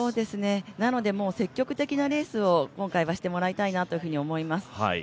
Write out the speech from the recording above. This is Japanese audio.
なので、積極的なレースを今回はしてほしいなと思います。